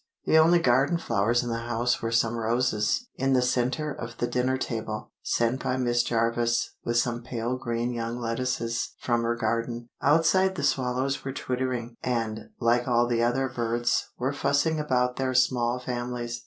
The only garden flowers in the house were some roses, in the centre of the dinner table, sent by Miss Jarvis (with some pale green young lettuces) from her garden. Outside the swallows were twittering, and, like all the other birds, were fussing about their small families.